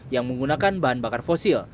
yang menggunakan bahan bakar fosil